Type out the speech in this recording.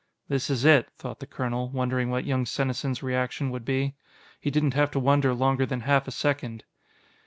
This is it, thought the colonel, wondering what young Senesin's reaction would be. He didn't have to wonder longer than half a second.